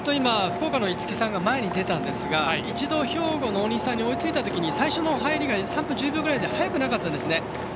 福岡の逸木さんが前に出たんですが一度、兵庫の大西さんに追いついたときに最初の入りが３分１０秒ぐらいで速くなかったんですね。